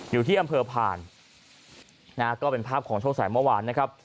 อยู่ที่อำเภอผ่านนะฮะก็เป็นภาพของช่วงสายเมื่อวานนะครับ